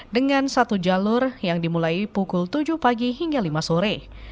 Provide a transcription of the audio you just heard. dengan satu jalur yang dimulai pukul tujuh pagi hingga lima sore